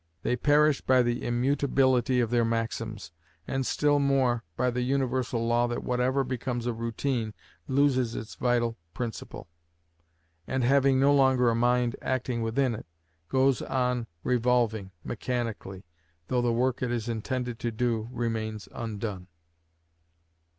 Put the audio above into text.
They perish by the immutability of their maxims, and, still more, by the universal law that whatever becomes a routine loses its vital principle, and, having no longer a mind acting within it, goes on revolving mechanically, though the work it is intended to do remains undone.